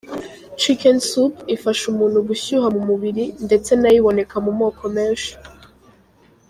Chicken Soup” ifasha umuntu gushyuha mu mubiri, ndetse na yo iboneka mu moko menshi.